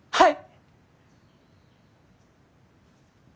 はい！